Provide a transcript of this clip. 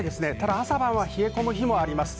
朝晩は冷え込む日もあります。